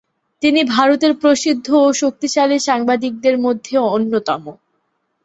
তিনি ভারতের প্রসিদ্ধ ও শক্তিশালী সাংবাদিকদের মধ্যে অন্যতম।